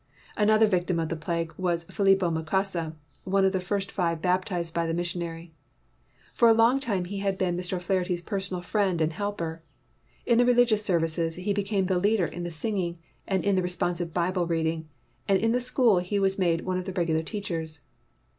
Another victim of the plague was Philipo Mnkasa, one of the first live baptized by the missionary. For a long time he had been Mr. O 'Flaherty's personal friend and helper. In the religious services he became the leader in the singing and in the respon sive Bible reading, and in the school he was made one of the regular teachers.